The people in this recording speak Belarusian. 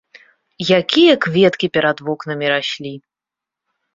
Якія кветкі перад вокнамі раслі!